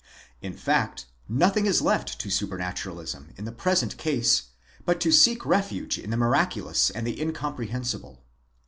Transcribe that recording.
* In fact, nothing is left to supranaturalism in the present case but to seek refuge in the miraculous and the incomprehensible.